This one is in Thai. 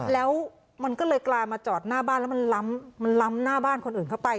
แล้วมันก็เลยกลายมาจอดหน้าบ้านแล้วมันล้ำมันล้ำหน้าบ้านคนอื่นเข้าไป